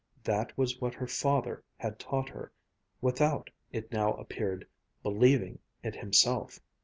That was what her father had taught her without, it now appeared, believing it himself.